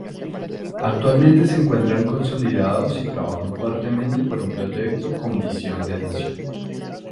Actualmente se encuentran consolidados y trabajan fuertemente por un Proyecto con Visión de Nación.